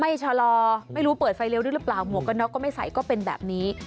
ชะลอไม่รู้เปิดไฟเร็วด้วยหรือเปล่าหมวกกันน็อกก็ไม่ใส่ก็เป็นแบบนี้